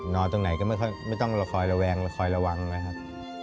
นอนตรงไหนก็ไม่ต้องคอยระวังนะครับ